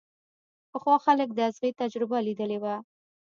پخوا خلکو د ازغي تجربه ليدلې وه.